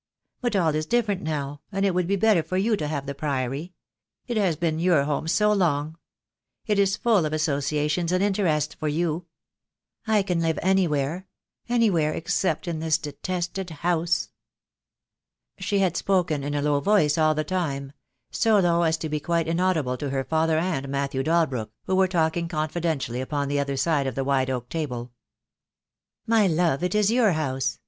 But all is different now, and it would be better for you to have the Priory. It has been your home so long. It is full of associations and interests for you. I can live anywhere — anywhere except in this detested house." 134 TttE DAY WILL come. She had spoken in a low voice all the time, so low as to be quite inaudible to her father and Matthew Dal brook, who were talking confidentially upon the other side of the wide oak table. "My love, it is your house.